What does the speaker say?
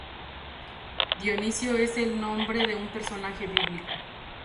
Dionisio es el nombre de un personaje bíblico;